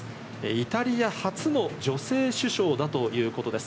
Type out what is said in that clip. イタリア初の女性首相だということです。